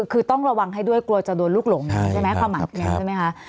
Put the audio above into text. คือต้องระวังให้ด้วยกลัวจะโดนลูกหลงใช่ไหมครับ